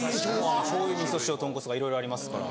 しょうゆ味噌塩豚骨とかいろいろありますから。